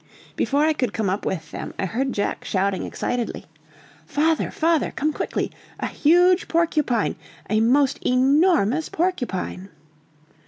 Before I could come up with them, I heard Jack shouting excitedly, "Father! father! come quickly! a huge porcupine! a most enormous porcupine!"